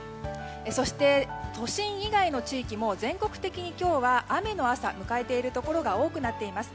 そして、都心以外の地域も全国的に今日は雨の朝を迎えているところが多くなっています。